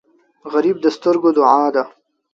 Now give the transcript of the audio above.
غریب د سترګو دعا ده